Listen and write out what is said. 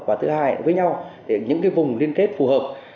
và thứ hai với nhau những cái vùng liên kết phù hợp